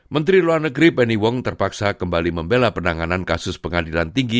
menteri luar negeri penny wong terpaksa kembali membela penanganan kasus pengadilan tinggi